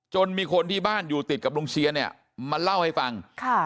มีคนที่บ้านอยู่ติดกับลุงเชียนเนี่ยมาเล่าให้ฟัง